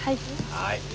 はい。